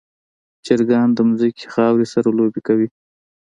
چرګان د ځمکې خاورې سره لوبې کوي.